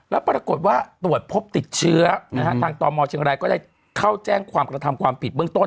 แล้วปรากฏว่าตรวจพบติดเชื้อนะฮะทางตมเชียงรายก็ได้เข้าแจ้งความกระทำความผิดเบื้องต้น